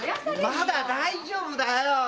まだ大丈夫だよ。